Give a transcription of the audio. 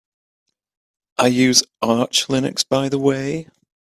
I use Arch Linux by the way.